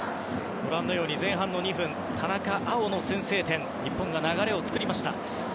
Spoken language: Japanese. ご覧のように前半２分田中碧の先制点日本が流れを作りました。